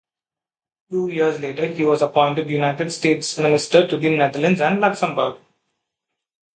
Two years later he was appointed United States Minister to the Netherlands and Luxembourg.